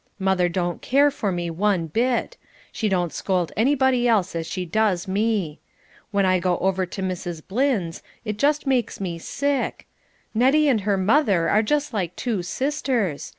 Mother don't care for me one bit. She don't scold anybody else as she does me. When I go over to Mrs. Blynn's it just makes me sick. Nettie and her mother are just like two sisters.